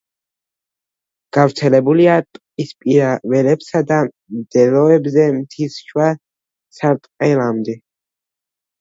გავრცელებულია ტყისპირა ველებსა და მდელოებზე მთის შუა სარტყელამდე.